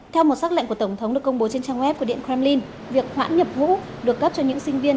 theo một sắc lệnh của tổng thống được công bố trên trang web của điện kremlin việc hoãn nhập ngũ được cấp cho những sinh viên